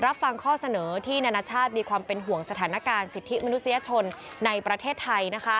รับฟังข้อเสนอที่นานาชาติมีความเป็นห่วงสถานการณ์สิทธิมนุษยชนในประเทศไทย